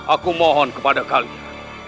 aku mohon kepada kalian